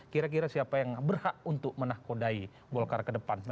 kira kira siapa yang berhak untuk menakodai golkar ke depan